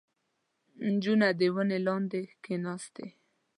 • نجونه د ونې لاندې کښېناستې.